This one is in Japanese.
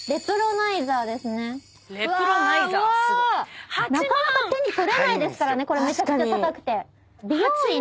なかなか手に取れないからこれめちゃくちゃ高くて。